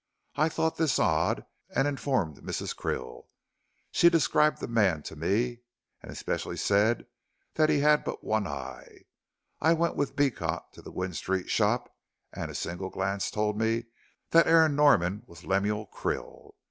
I thought this odd, and informed Mrs. Krill. She described the man to me, and especially said that he had but one eye. I went with Beecot to the Gwynne Street shop, and a single glance told me that Aaron Norman was Lemuel Krill.